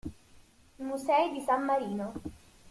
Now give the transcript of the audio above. Musei di San Marino